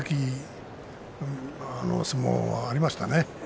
見るべき相撲はありましたね。